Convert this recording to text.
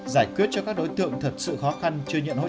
giải quyết cho các đối tượng thật sự khó khăn chưa nhận hỗ trợ